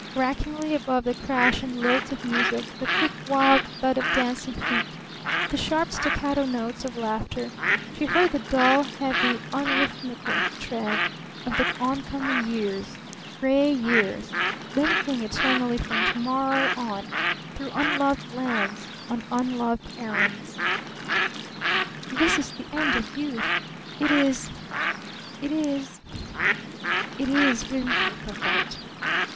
Rackingly above the crash and lilt of music, the quick, wild thud of dancing feet, the sharp, staccato notes of laughter she heard the dull, heavy, unrhythmical tread of the oncoming years gray years, limping eternally from to morrow on, through unloved lands, on unloved errands. "This is the end of youth. It is it is it is," whimpered her heart.